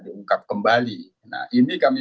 diungkap kembali nah ini kami